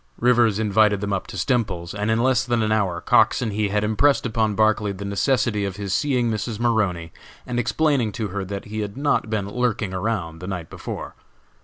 Rivers invited them up to Stemples's, and in less than an hour Cox and he had impressed upon Barclay the necessity of his seeing Mrs. Maroney and explaining to her that he had not been lurking around the night before.